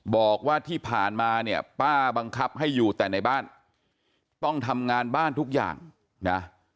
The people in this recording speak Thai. บอกว่าที่ผ่านมาเนี่ยป้าบังคับให้อยู่แต่ในบ้านต้องทำงานบ้านทุกอย่างนะ